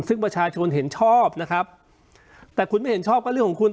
ซึ่งประชาชนเห็นชอบนะครับแต่คุณไม่เห็นชอบก็เรื่องของคุณ